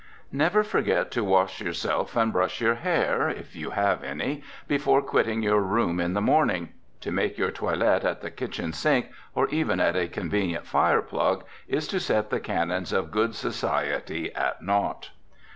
Never forget to wash yourself and brush your hair (if you have any) before quitting your room in the morning. To make your toilet at the kitchen sink, or even at a convenient fire plug, is to set the canons of good society at naught.